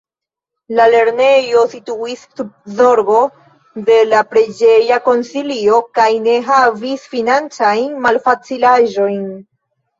La lernejo situis sub zorgo de la preĝeja konsilio kaj ne havis financajn malfacilaĵojn.